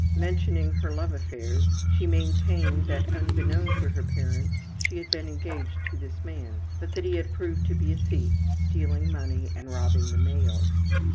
Mentioning her love affairs, she maintained that, unbeknown to her parents, she had been engaged to this man, but that he had proved to be a thief, stealing money and robbing the mails.